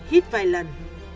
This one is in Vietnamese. hít vài lần